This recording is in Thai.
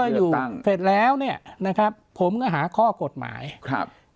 อยู่เสร็จแล้วเนี่ยนะครับผมก็หาข้อกฎหมายครับ